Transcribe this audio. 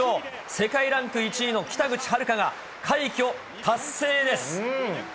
世界ランク１位の北口榛花が快挙達成です。